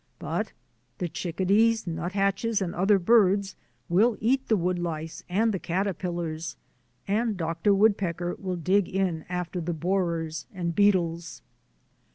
But the chickadees, nuthatches, and other birds will eat the wood lice and the caterpillars, and Dr. Woodpecker will dig in after the borers and beetles.